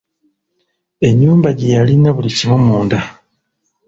Ennyumba gye yalina buli kimu munda.